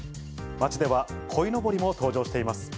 街ではこいのぼりも登場しています。